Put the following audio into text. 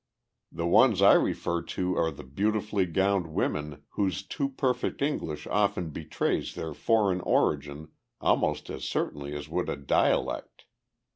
"The ones I refer to are the beautifully gowned women whose too perfect English often betrays their foreign origin almost as certainly as would a dialect.